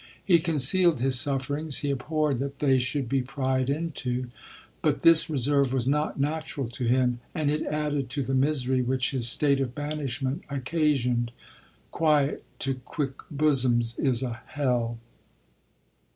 He concealed his sufferings — he abhorred that they should be pryed into; but this reserve was not natural to him, and it added to the misery which his state of banishment occasioned. "Quiet to quick bosoms is a hell."